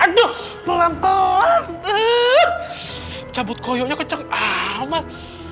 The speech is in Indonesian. aduh pelan pelan cabut koyoknya keceng amat